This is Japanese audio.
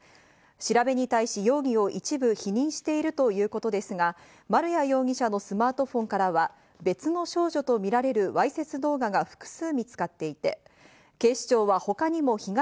調べに対し容疑を一部否認しているということですが、丸矢容疑者のスマートフォンからは別の少女とみられるわいせつ動お天気です。